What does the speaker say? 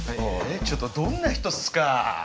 えっちょっとどんな人っすか？